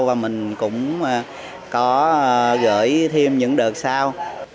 và mình cũng có gửi thêm những đợt sau